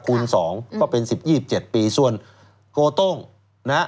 คูณ๒ก็เป็น๑๐๒๗ปีส่วนโกโต้งนะ